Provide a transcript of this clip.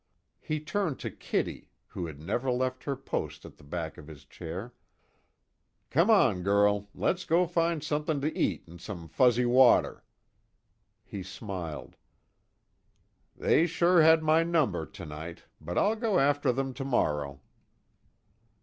He turned to Kitty, who had never left her post at the back of his chair: "Come on, girl, let's go find something to eat and some fuzzy water," he smiled. "They sure had my number, tonight, but I'll go after them tomorrow."